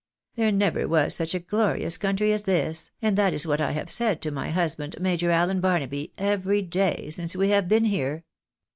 There never was such a glorious country as this, and that is what I have said to my husband. Major Allen Barnaby, every day since we have been here.